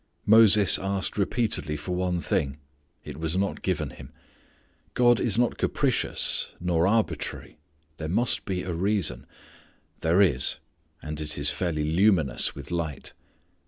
Moses asked repeatedly for one thing. It was not given him. God is not capricious nor arbitrary. There must be a reason. There is. And it is fairly luminous with light.